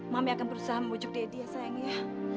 mami akan berusaha membujuk daddy sayang ya